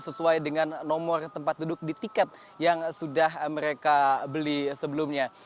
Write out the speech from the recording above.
sesuai dengan nomor tempat duduk di tiket yang sudah mereka beli sebelumnya